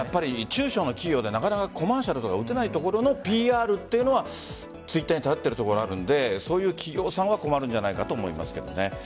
中小の企業でなかなかコマーシャルとか打てないところのＰＲというのはＴｗｉｔｔｅｒに頼っているところがあるのでそういう企業は困ると思いますけど。